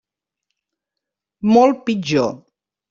Molt pitjor.